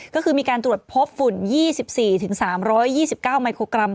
ก็คือมีการตรวจพบฝุ่น๒๔๓๒๙ไมโครกรัม